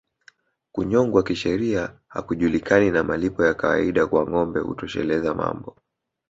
Kunyongwa kisheria hakujulikani na malipo ya kawaida kwa ngombe hutosheleza mambo